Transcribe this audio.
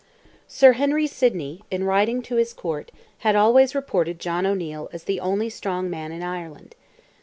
Sir Henry Sidney, in writing to his court, had always reported John O'Neil as "the only strong man in Ireland."